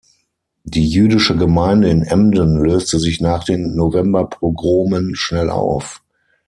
Die Jüdische Gemeinde in Emden löste sich nach den Novemberpogromen schnell auf.